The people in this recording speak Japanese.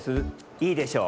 いいでしょう？